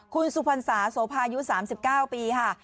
คุณสุพรรษาโสภายุ๓๙ปีค่ะ